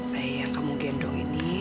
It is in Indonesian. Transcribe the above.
bayi yang kamu gendong ini